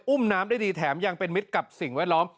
อุ้มน้ำได้ดีแถมยังเป็นมิตรกับสิ่งแวดล้อม